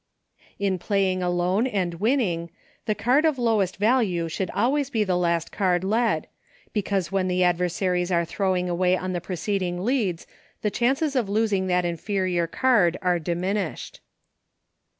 In Playing Alone and winning, the card of lowest value should always be the last card led, because when the adversaries are throwing away on the preceding leads the chances of losing that inferior card are diminished.